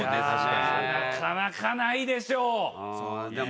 なかなかないでしょう。